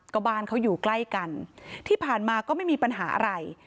ก็บ้านเขาอยู่ใกล้กันที่ผ่านมาก็ไม่มีปัญหาอะไร